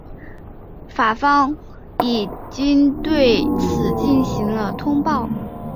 法方已经对此进行了通报。